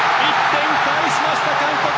１点返しました、韓国！